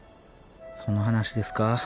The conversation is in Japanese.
その話ですか。